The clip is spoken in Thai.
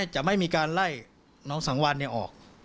จะไม่มีการไล่น้องสังวันออก